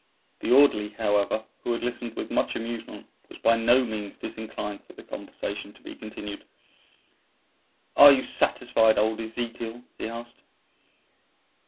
The orderly, however, who had listened with much amusement, was by no means disinclined for the conversation to be continued. "Are you satisfied, old Ezekiel?" he asked.